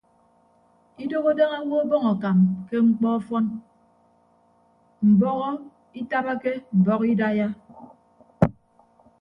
Idooho daña owo ọbọñ akam ke mkpọ ọfọn mbọhọ itabake mbọhọ idaiya.